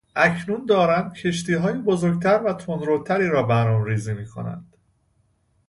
اکنون دارند کشتیهای بزرگتر و تندروتری را برنامه ریزی میکنند.